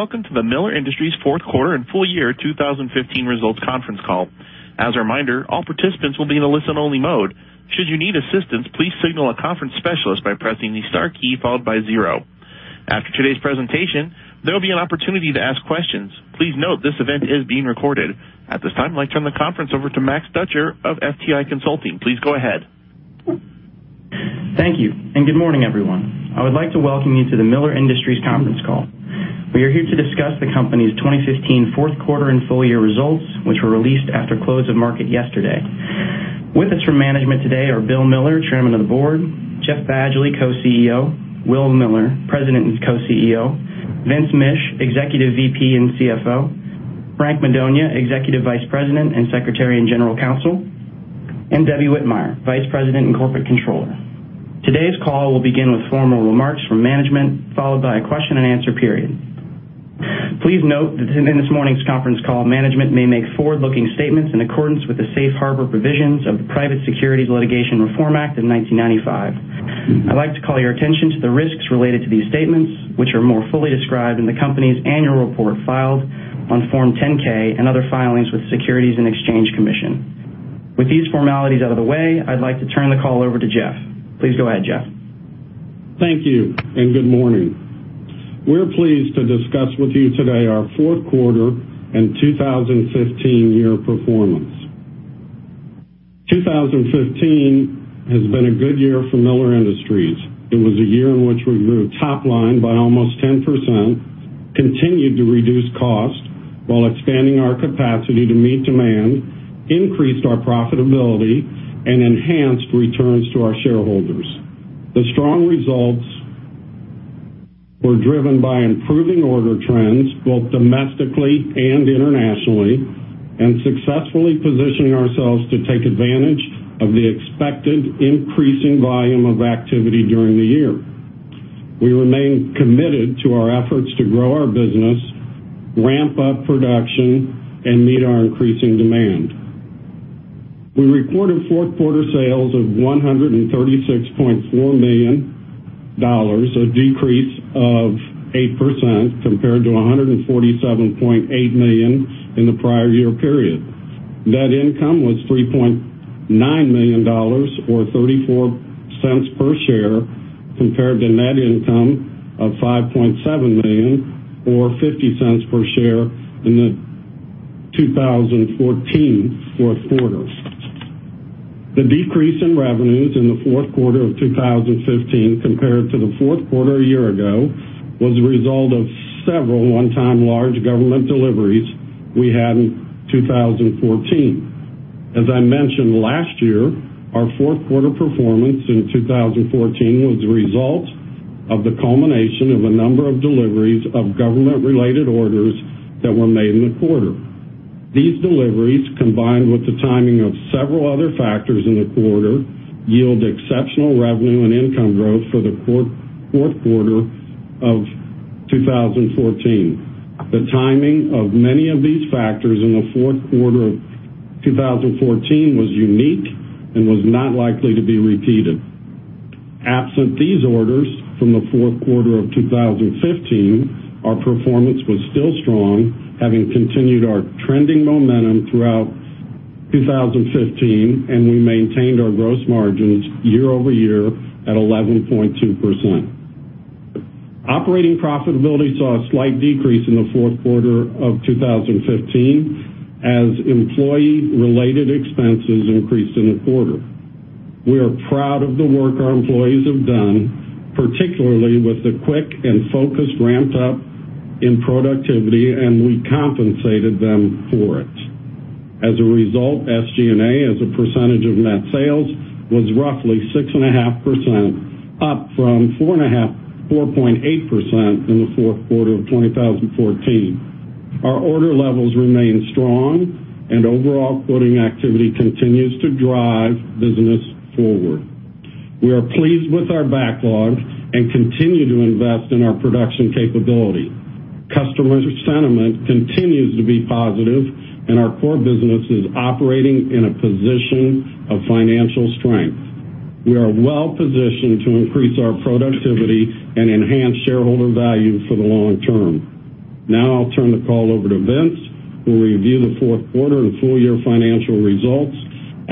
Welcome to the Miller Industries fourth quarter and full year 2015 results conference call. As a reminder, all participants will be in a listen-only mode. Should you need assistance, please signal a conference specialist by pressing the star key followed by zero. After today's presentation, there'll be an opportunity to ask questions. Please note this event is being recorded. At this time, I'd like to turn the conference over to Max Dutcher of FTI Consulting. Please go ahead. Thank you, and good morning, everyone. I would like to welcome you to the Miller Industries conference call. We are here to discuss the company's 2015 fourth quarter and full year results, which were released after close of market yesterday. With us from management today are Bill Miller, Chairman of the Board, Jeff Badgley, Co-CEO, Will Miller, President and Co-CEO, Vince Mish, Executive VP and CFO, Frank Madonia, Executive Vice President and Secretary and General Counsel, and Debbie Whitmire, Vice President and Corporate Controller. Today's call will begin with formal remarks from management, followed by a question-and-answer period. Please note that in this morning's conference call, management may make forward-looking statements in accordance with the safe harbor provisions of the Private Securities Litigation Reform Act in 1995. I'd like to call your attention to the risks related to these statements, which are more fully described in the company's annual report filed on Form 10-K and other filings with the Securities and Exchange Commission. With these formalities out of the way, I'd like to turn the call over to Jeff. Please go ahead, Jeff. Thank you, and good morning. We're pleased to discuss with you today our fourth quarter and 2015 year performance. 2015 has been a good year for Miller Industries. It was a year in which we grew top line by almost 10%, continued to reduce cost while expanding our capacity to meet demand, increased our profitability, and enhanced returns to our shareholders. The strong results were driven by improving order trends, both domestically and internationally, and successfully positioning ourselves to take advantage of the expected increasing volume of activity during the year. We remain committed to our efforts to grow our business, ramp up production, and meet our increasing demand. We reported fourth quarter sales of $136.4 million, a decrease of 8% compared to $147.8 million in the prior year period. Net income was $3.9 million, or $0.34 per share, compared to net income of $5.7 million or $0.50 per share in the 2014 fourth quarter. The decrease in revenues in the fourth quarter of 2015 compared to the fourth quarter a year ago was a result of several one-time large government deliveries we had in 2014. As I mentioned last year, our fourth quarter performance in 2014 was a result of the culmination of a number of deliveries of government-related orders that were made in the quarter. These deliveries, combined with the timing of several other factors in the quarter, yield exceptional revenue and income growth for the fourth quarter of 2014. The timing of many of these factors in the fourth quarter of 2014 was unique and was not likely to be repeated. Absent these orders from the fourth quarter of 2015, our performance was still strong, having continued our trending momentum throughout 2015, and we maintained our gross margins year-over-year at 11.2%. Operating profitability saw a slight decrease in the fourth quarter of 2015 as employee-related expenses increased in the quarter. We are proud of the work our employees have done, particularly with the quick and focused ramp-up in productivity, and we compensated them for it. As a result, SG&A, as a percentage of net sales, was roughly 6.5%, up from 4.8% in the fourth quarter of 2014. Our order levels remain strong, and overall quoting activity continues to drive business forward. We are pleased with our backlog and continue to invest in our production capability. Customer sentiment continues to be positive, and our core business is operating in a position of financial strength. We are well-positioned to increase our productivity and enhance shareholder value for the long term. Now I'll turn the call over to Vince, who will review the fourth quarter and full-year financial results.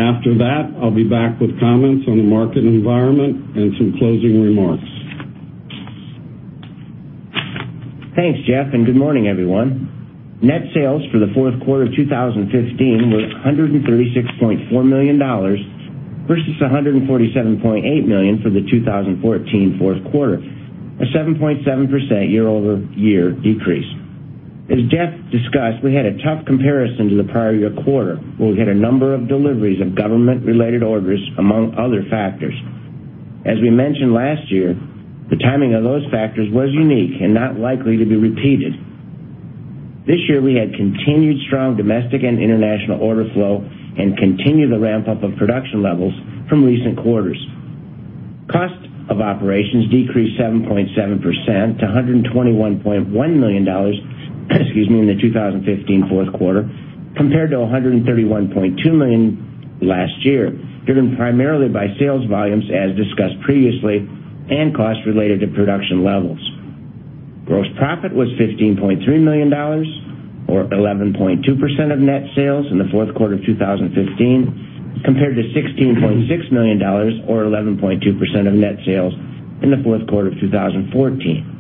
After that, I'll be back with comments on the market environment and some closing remarks. Thanks, Jeff, and good morning, everyone. Net sales for the fourth quarter of 2015 were $136.4 million versus $147.8 million for the 2014 fourth quarter, a 7.7% year-over-year decrease. As Jeff discussed, we had a tough comparison to the prior year quarter, where we had a number of deliveries of government-related orders, among other factors. As we mentioned last year, the timing of those factors was unique and not likely to be repeated. This year, we had continued strong domestic and international order flow and continued the ramp-up of production levels from recent quarters. Cost of operations decreased 7.7% to $121.1 million. Excuse me, in the 2015 fourth quarter compared to $131.2 million last year, driven primarily by sales volumes as discussed previously, and costs related to production levels. Gross profit was $15.3 million, or 11.2% of net sales in the fourth quarter of 2015, compared to $16.6 million or 11.2% of net sales in the fourth quarter of 2014.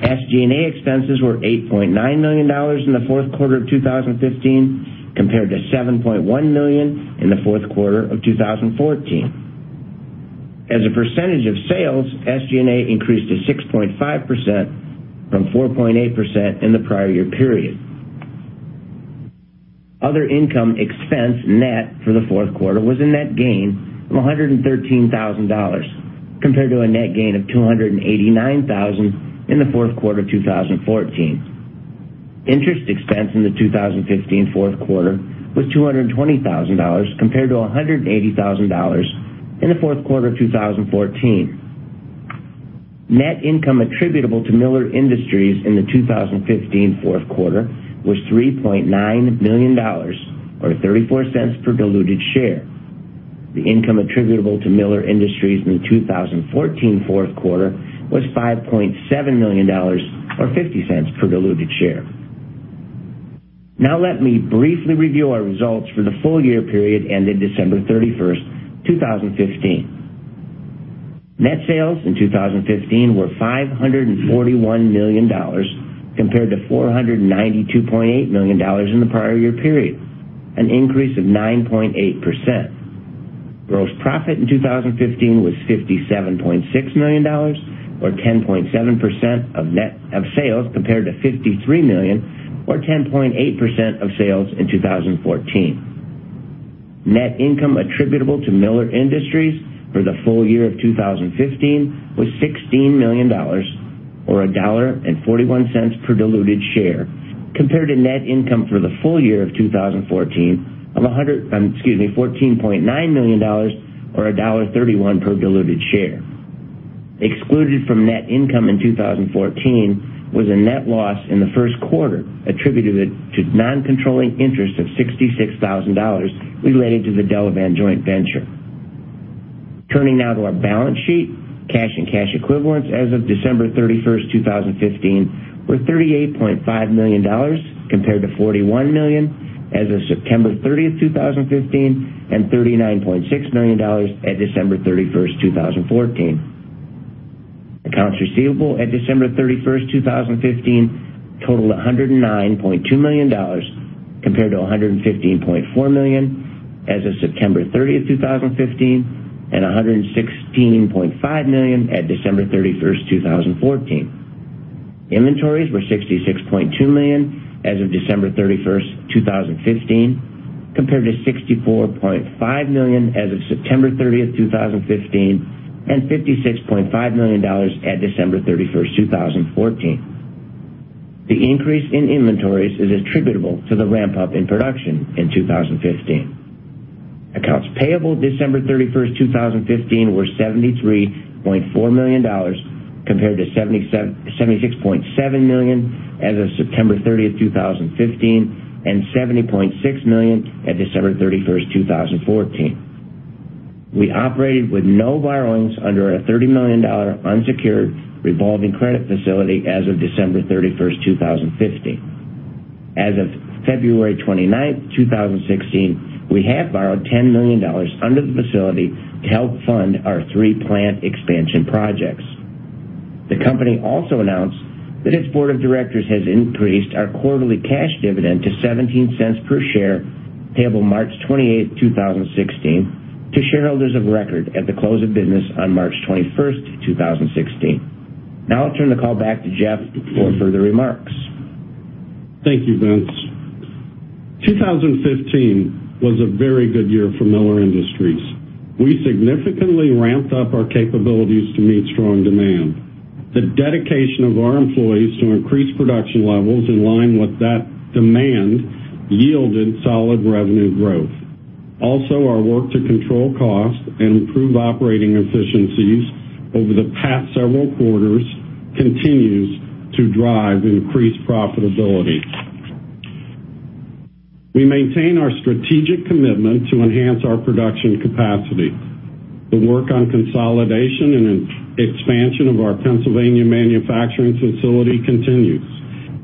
SG&A expenses were $8.9 million in the fourth quarter of 2015 compared to $7.1 million in the fourth quarter of 2014. As a percentage of sales, SG&A increased to 6.5% from 4.8% in the prior year period. Other income expense net for the fourth quarter was a net gain of $113,000 compared to a net gain of $289,000 in the fourth quarter of 2014. Interest expense in the 2015 fourth quarter was $220,000 compared to $180,000 in the fourth quarter of 2014. Net income attributable to Miller Industries in the 2015 fourth quarter was $3.9 million, or $0.34 per diluted share. The income attributable to Miller Industries in the 2014 fourth quarter was $5.7 million, or $0.50 per diluted share. Let me briefly review our results for the full year period ended December 31st, 2015. Net sales in 2015 were $541 million compared to $492.8 million in the prior year period, an increase of 9.8%. Gross profit in 2015 was $57.6 million, or 10.7% of sales compared to $53 million or 10.8% of sales in 2014. Net income attributable to Miller Industries for the full year of 2015 was $16 million, or $1.41 per diluted share compared to net income for the full year of 2014 of $14.9 million or $1.31 per diluted share. Excluded from net income in 2014 was a net loss in the first quarter attributed to non-controlling interest of $66,000 related to the Delavan joint venture. Turning now to our balance sheet. Cash and cash equivalents as of December 31st, 2015 were $38.5 million compared to $41 million as of September 30th, 2015 and $39.6 million at December 31st, 2014. Accounts receivable at December 31st, 2015 totaled $109.2 million compared to $115.4 million as of September 30th, 2015 and $116.5 million at December 31st, 2014. Inventories were $66.2 million as of December 31st, 2015 compared to $64.5 million as of September 30th, 2015 and $56.5 million at December 31st, 2014. The increase in inventories is attributable to the ramp up in production in 2015. Accounts payable December 31st, 2015 were $73.4 million compared to $76.7 million as of September 30th, 2015 and $70.6 million at December 31st, 2014. We operated with no borrowings under a $30 million unsecured revolving credit facility as of December 31st, 2015. As of February 29th, 2016, we have borrowed $10 million under the facility to help fund our three-plant expansion projects. The company also announced that its board of directors has increased our quarterly cash dividend to $0.17 per share, payable March 28th, 2016, to shareholders of record at the close of business on March 21st, 2016. I'll turn the call back to Jeff for further remarks. Thank you, Vince. 2015 was a very good year for Miller Industries. We significantly ramped up our capabilities to meet strong demand. The dedication of our employees to increase production levels in line with that demand yielded solid revenue growth. Also, our work to control costs and improve operating efficiencies over the past several quarters continues to drive increased profitability. We maintain our strategic commitment to enhance our production capacity. The work on consolidation and expansion of our Pennsylvania manufacturing facility continues,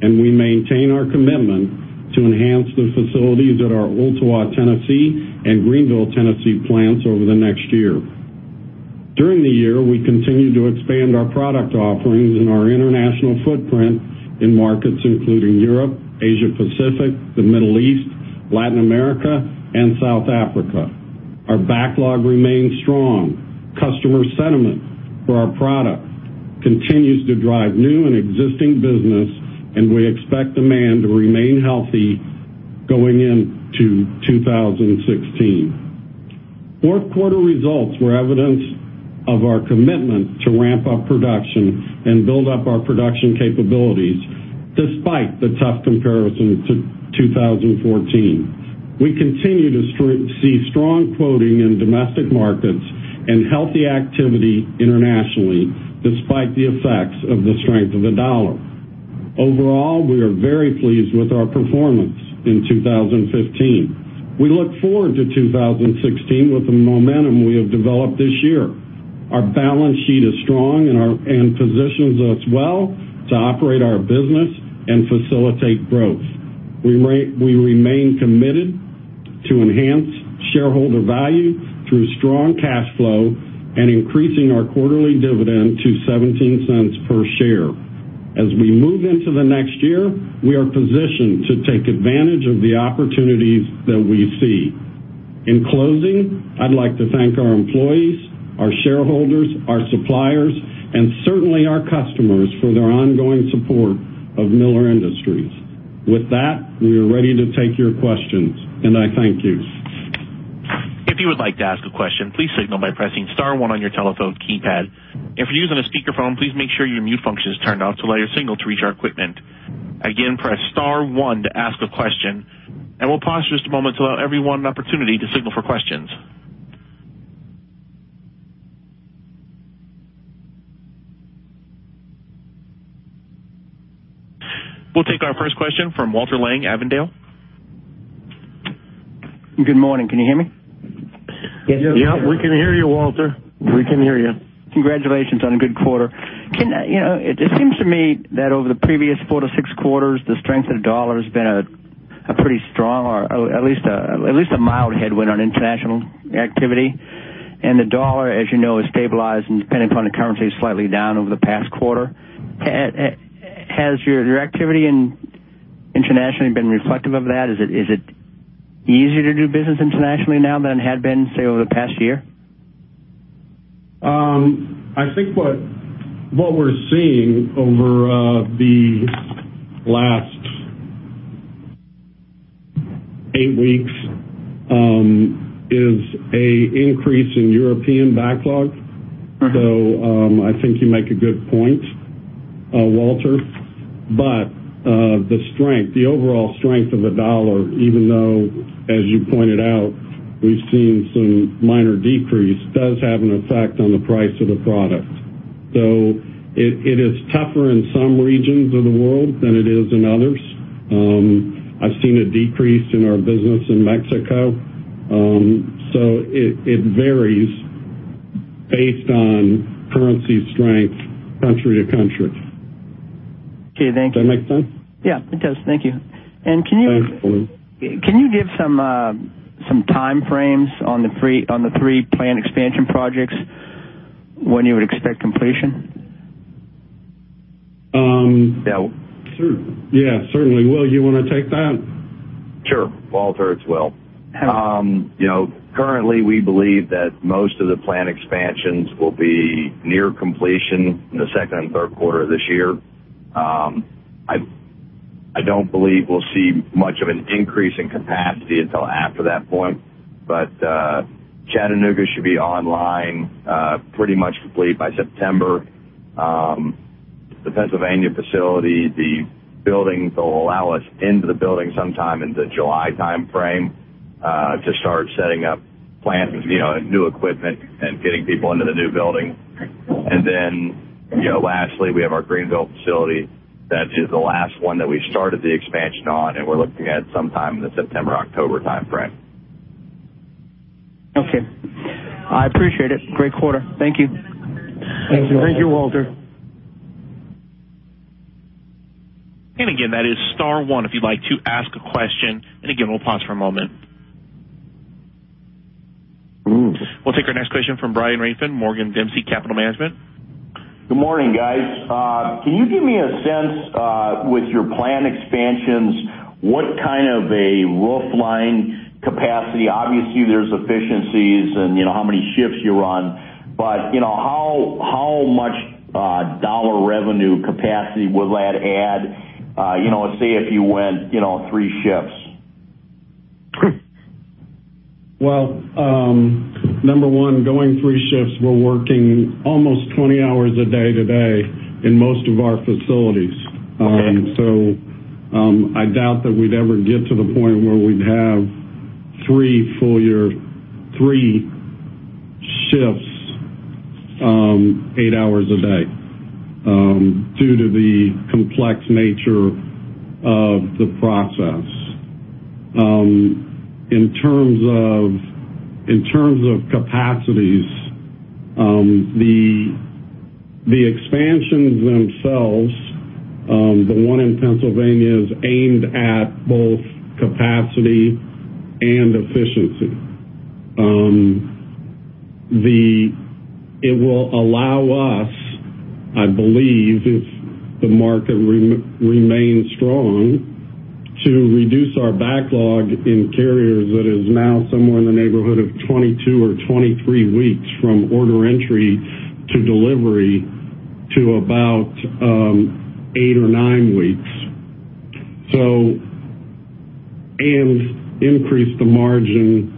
and we maintain our commitment to enhance the facilities at our Ooltewah, Tennessee, and Greenville, Tennessee, plants over the next year. During the year, we continued to expand our product offerings and our international footprint in markets including Europe, Asia Pacific, the Middle East, Latin America and South Africa. Our backlog remains strong. Customer sentiment for our product continues to drive new and existing business. We expect demand to remain healthy going into 2016. Fourth quarter results were evidence of our commitment to ramp up production and build up our production capabilities despite the tough comparison to 2014. We continue to see strong quoting in domestic markets and healthy activity internationally despite the effects of the strength of the dollar. Overall, we are very pleased with our performance in 2015. We look forward to 2016 with the momentum we have developed this year. Our balance sheet is strong and positions us well to operate our business and facilitate growth. We remain committed to enhance shareholder value through strong cash flow and increasing our quarterly dividend to $0.17 per share. As we move into the next year, we are positioned to take advantage of the opportunities that we see. In closing, I'd like to thank our employees, our shareholders, our suppliers, and certainly our customers for their ongoing support of Miller Industries. With that, we are ready to take your questions, and I thank you. If you would like to ask a question, please signal by pressing star one on your telephone keypad. If you're using a speakerphone, please make sure your mute function is turned off to allow your signal to reach our equipment. Again, press star one to ask a question, and we'll pause just a moment to allow everyone an opportunity to signal for questions. We'll take our first question from Walter Lang, Avondale. Good morning. Can you hear me? Yes. We can hear you, Walter. We can hear you. Congratulations on a good quarter. It seems to me that over the previous four to six quarters, the strength of the dollar has been a pretty strong or at least a mild headwind on international activity. The dollar, as you know, is stabilized and dependent upon the currency is slightly down over the past quarter. Has your activity internationally been reflective of that? Is it easier to do business internationally now than it had been, say, over the past year? I think what we're seeing over the last eight weeks is an increase in European backlog. I think you make a good point, Walter. The overall strength of the dollar, even though, as you pointed out, we've seen some minor decrease, does have an effect on the price of the product. It is tougher in some regions of the world than it is in others. I've seen a decrease in our business in Mexico. It varies based on currency strength country to country. Okay. Thank you. Does that make sense? Yeah. It does. Thank you. Thanks, Walter. Can you give some time frames on the three plant expansion projects, when you would expect completion? Yeah, certainly. Will, you want to take that? Sure. Walter, it's Will. Currently, we believe that most of the plant expansions will be near completion in the second and third quarter of this year. I don't believe we'll see much of an increase in capacity until after that point. Chattanooga should be online, pretty much complete by September. The Pennsylvania facility, they'll allow us into the building sometime in the July timeframe to start setting up new equipment and getting people into the new building. Lastly, we have our Greenville facility. That is the last one that we started the expansion on, and we're looking at some time in the September-October timeframe. Okay. I appreciate it. Great quarter. Thank you. Thank you, Walter. Again, that is star one if you'd like to ask a question. Again, we'll pause for a moment. We'll take our next question from Brian Rafn, Morgan Dempsey Capital Management. Good morning, guys. Can you give me a sense with your plant expansions, what kind of a roofline capacity? Obviously, there's efficiencies and how many shifts you run. How much dollar revenue capacity will that add, let's say if you went three shifts? Well, number one, going three shifts, we're working almost 20 hours a day today in most of our facilities. Okay. I doubt that we'd ever get to the point where we'd have three shifts, eight hours a day due to the complex nature of the process. In terms of capacities, the expansions themselves, the one in Pennsylvania is aimed at both capacity and efficiency. It will allow us, I believe, if the market remains strong, to reduce our backlog in carriers that is now somewhere in the neighborhood of 22 or 23 weeks from order entry to delivery to about eight or nine weeks. Increase the margin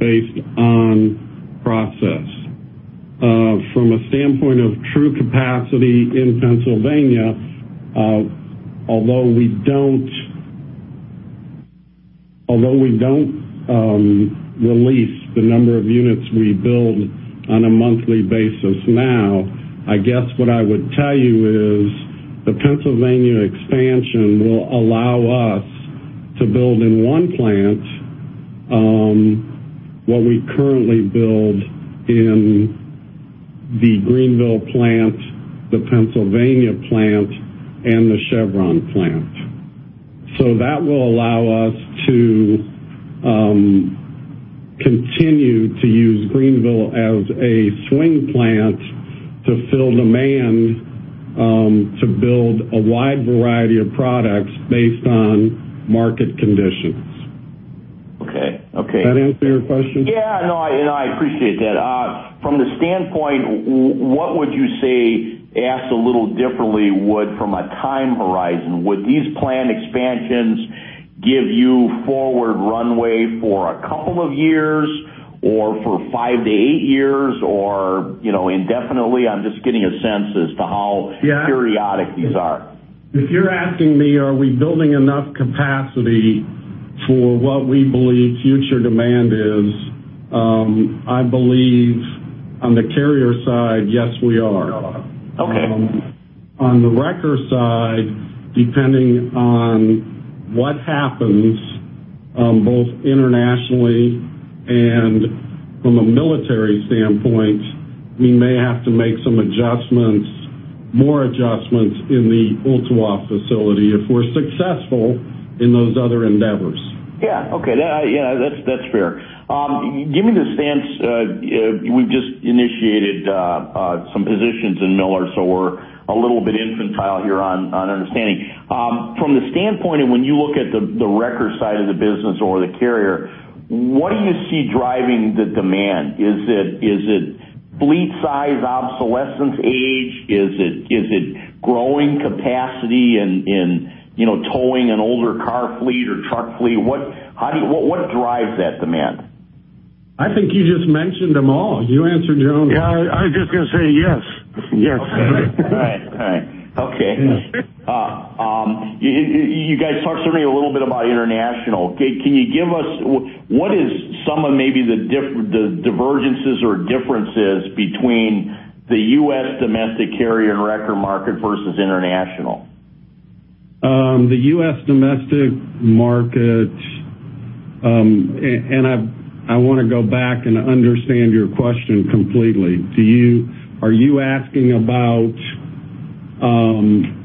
based on process. From a standpoint of true capacity in Pennsylvania, although we don't release the number of units we build on a monthly basis now, I guess what I would tell you is the Pennsylvania expansion will allow us to build in one plant what we currently build in the Greenville plant, the Pennsylvania plant, and the Chevron plant. That will allow us to continue to use Greenville as a swing plant to fill demand to build a wide variety of products based on market conditions. Okay. Does that answer your question? Yeah. No, I appreciate that. From the standpoint, what would you say, asked a little differently, from a time horizon, would these planned expansions give you forward runway for a couple of years or for five to eight years, or indefinitely? I'm just getting a sense as to how- Yeah periodic these are. If you're asking me, are we building enough capacity for what we believe future demand is, I believe on the carrier side, yes, we are. Okay. On the wrecker side, depending on what happens both internationally and from a military standpoint, we may have to make some more adjustments in the Ooltewah facility if we're successful in those other endeavors. Yeah. Okay. Yeah, that's fair. Given the stance, we've just initiated some positions in Miller, so we're a little bit infantile here on understanding. From the standpoint of when you look at the wrecker side of the business or the carrier, what do you see driving the demand? Is it fleet size, obsolescence age? Is it growing capacity in towing an older car fleet or truck fleet? What drives that demand? I think you just mentioned them all. You answered your own question. Yeah, I was just going to say yes. Yes. All right. Okay. You guys talked to me a little bit about international. What is some of maybe the divergences or differences between the U.S. domestic carrier and wrecker market versus international? The U.S. domestic market-- I want to go back and understand your question completely. Are you asking about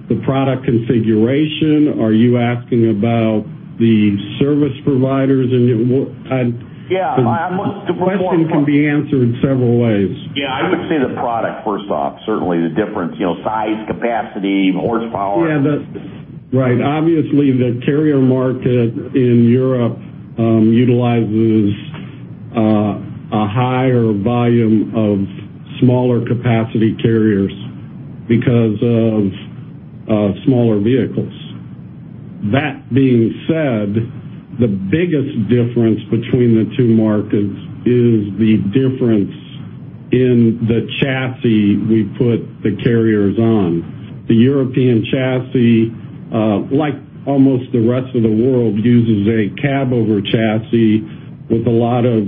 the product configuration? Are you asking about the service providers and what kind- Yeah. The question can be answered several ways. I would say the product, first off. Certainly, the difference, size, capacity, horsepower. Obviously, the carrier market in Europe utilizes a higher volume of smaller capacity carriers because of smaller vehicles. That being said, the biggest difference between the two markets is the difference in the chassis we put the carriers on. The European chassis, like almost the rest of the world, uses a cabover chassis with a lot of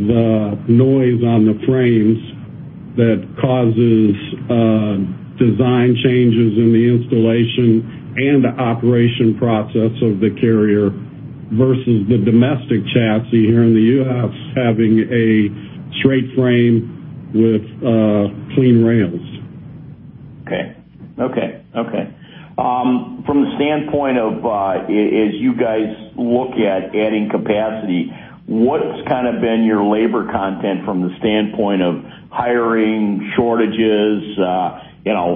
noise on the frames that causes design changes in the installation and the operation process of the carrier versus the domestic chassis here in the U.S. having a straight frame with clean rails. From the standpoint of, as you guys look at adding capacity, what's been your labor content from the standpoint of hiring, shortages,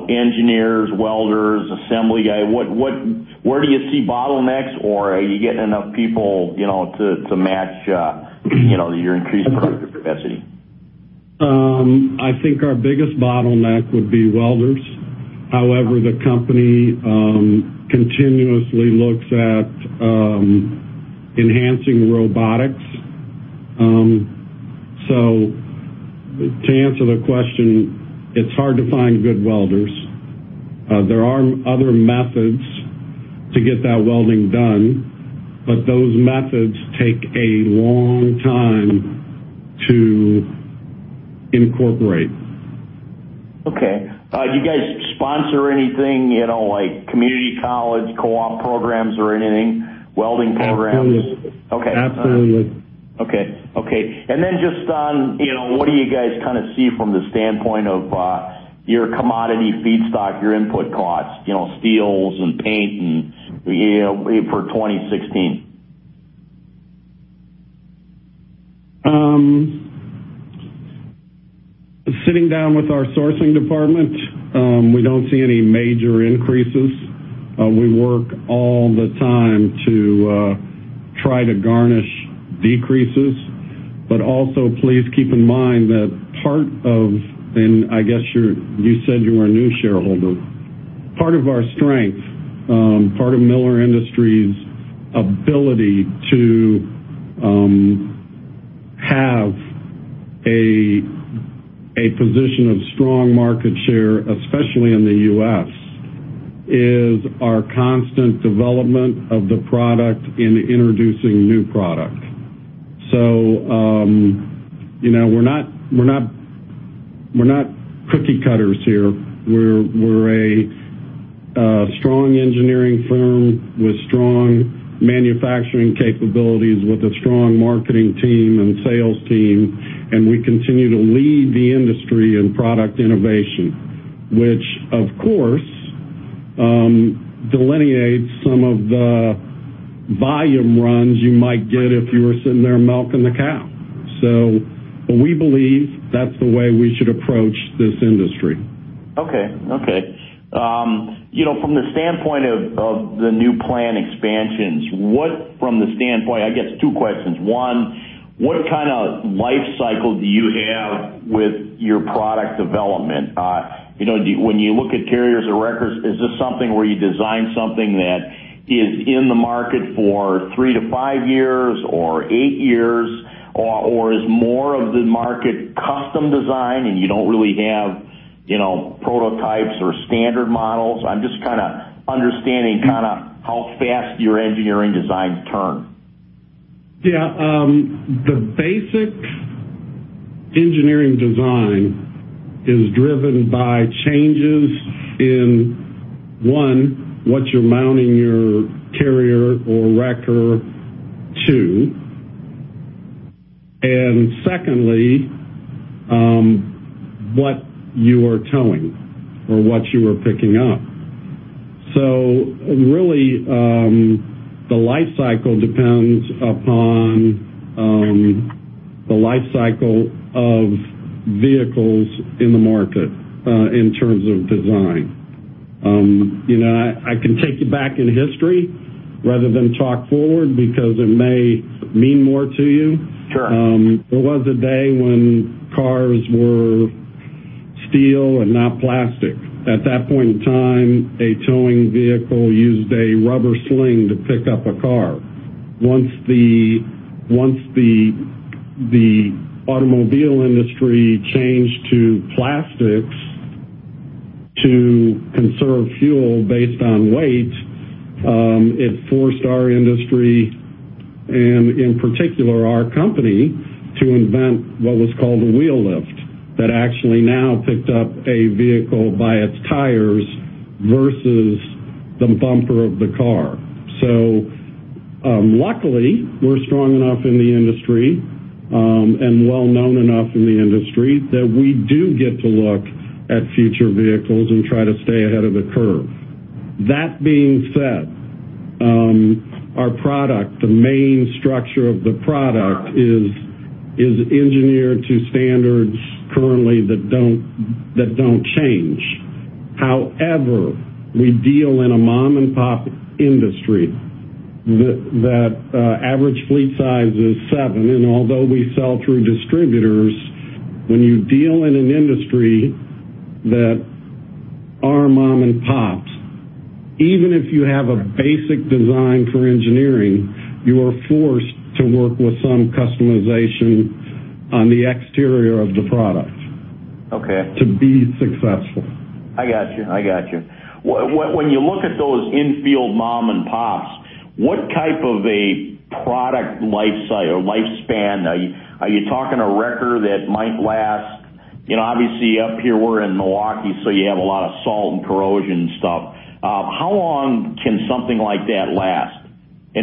engineers, welders, assembly guy? Where do you see bottlenecks, or are you getting enough people to match your increased product capacity? I think our biggest bottleneck would be welders. However, the company continuously looks at enhancing robotics. To answer the question, it's hard to find good welders. There are other methods to get that welding done, but those methods take a long time to incorporate. Okay. Do you guys sponsor anything like community college co-op programs or anything, welding programs? Absolutely. Okay. Absolutely. Okay. Just on what do you guys see from the standpoint of your commodity feedstock, your input costs, steels and paint for 2016? Sitting down with our sourcing department, we don't see any major increases. We work all the time to try to garnish decreases. Please keep in mind that, and I guess you said you are a new shareholder, part of our strength, part of Miller Industries' ability to have a position of strong market share, especially in the U.S., is our constant development of the product in introducing new product. We're not cookie cutters here. We're a strong engineering firm with strong manufacturing capabilities, with a strong marketing team and sales team, and we continue to lead the industry in product innovation, which, of course, delineates some of the volume runs you might get if you were sitting there milking the cow. We believe that's the way we should approach this industry. Okay. From the standpoint of the new plan expansions, what, from the standpoint I guess two questions. One, what kind of life cycle do you have with your product development? When you look at carriers or wreckers, is this something where you design something that is in the market for three to five years, or eight years, or is more of the market custom design and you don't really have prototypes or standard models? I'm just understanding how fast your engineering designs turn. Yeah. The basic engineering design is driven by changes in, one, what you're mounting your carrier or wrecker to. Secondly, what you are towing or what you are picking up. Really, the life cycle depends upon the life cycle of vehicles in the market, in terms of design. I can take you back in history rather than talk forward, because it may mean more to you. Sure. There was a day when cars were steel and not plastic. At that point in time, a towing vehicle used a rubber sling to pick up a car. Once the automobile industry changed to plastics to conserve fuel based on weight, it forced our industry, and in particular, our company, to invent what was called the wheel lift, that actually now picked up a vehicle by its tires versus the bumper of the car. Luckily, we're strong enough in the industry, and well-known enough in the industry, that we do get to look at future vehicles and try to stay ahead of the curve. That being said, our product, the main structure of the product is engineered to standards currently that don't change. However, we deal in a mom-and-pop industry, that average fleet size is seven. Although we sell through distributors, when you deal in an industry that are mom-and-pops, even if you have a basic design for engineering, you are forced to work with some customization on the exterior of the product. Okay. To be successful. I got you. When you look at those in-field mom-and-pops, what type of a product life cycle or lifespan are you talking a wrecker that might last, obviously, up here, we're in Milwaukee, so you have a lot of salt and corrosion stuff. How long can something like that last?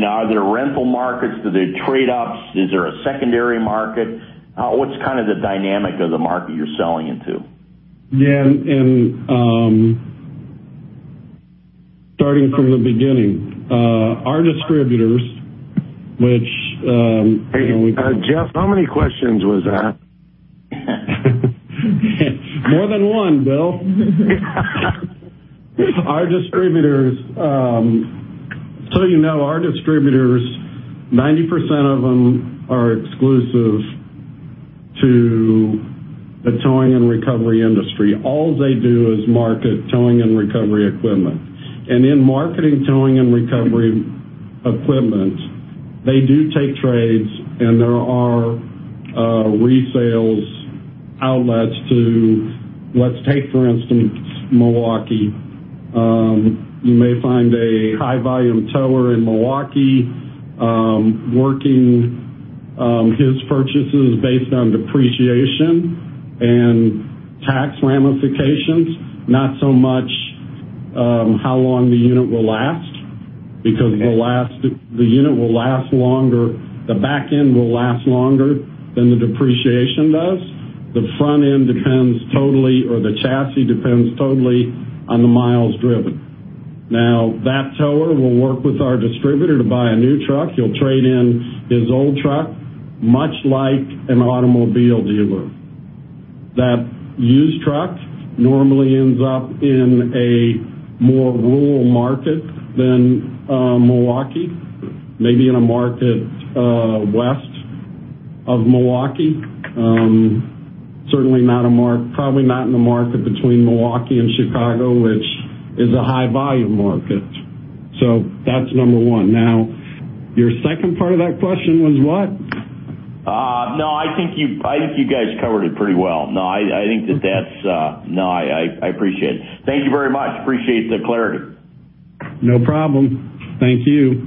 Are there rental markets? Do they trade ups? Is there a secondary market? What's the dynamic of the market you're selling into? Yeah. Starting from the beginning. Our distributors, Jeff, how many questions was that? More than 1, Bill. You know, our distributors, 90% of them are exclusive to the towing and recovery industry. All they do is market towing and recovery equipment. In marketing towing and recovery equipment, they do take trades, and there are resales outlets to, let's take, for instance, Milwaukee. You may find a high-volume tower in Milwaukee, working his purchases based on depreciation and tax ramifications, not so much how long the unit will last, because the back end will last longer than the depreciation does. The front end depends totally, or the chassis depends totally on the miles driven. That tower will work with our distributor to buy a new truck. He'll trade in his old truck, much like an automobile dealer. That used truck normally ends up in a more rural market than Milwaukee, maybe in a market west of Milwaukee. Probably not in the market between Milwaukee and Chicago, which is a high volume market. That's number 1. Your second part of that question was what? I think you guys covered it pretty well. I appreciate it. Thank you very much. Appreciate the clarity. No problem. Thank you.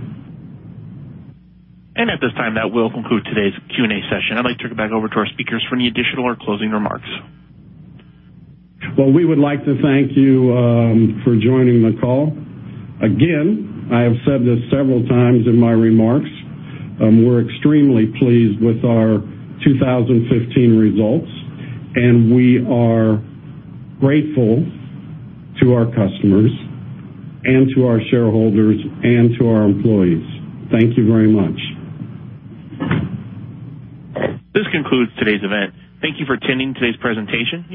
At this time, that will conclude today's Q&A session. I'd like to turn it back over to our speakers for any additional or closing remarks. We would like to thank you for joining the call. I have said this several times in my remarks, we're extremely pleased with our 2015 results, and we are grateful to our customers and to our shareholders and to our employees. Thank you very much. This concludes today's event. Thank you for attending today's presentation.